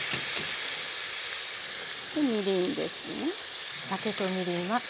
でみりんですね。